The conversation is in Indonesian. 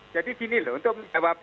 gini loh untuk menjawab